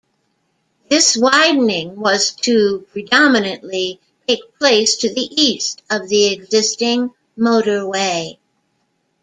This widening was to predominantly take place to the east of the existing motorway.